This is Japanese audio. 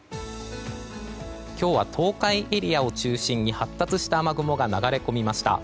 今日は東海エリアを中心に発達した雨雲が流れ込みました。